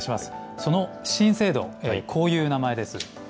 その新制度、こういう名前です。